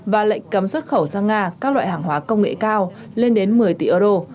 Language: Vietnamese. và lệnh cấm xuất khẩu sang nga các loại hàng hóa công nghệ cao lên đến một mươi tỷ euro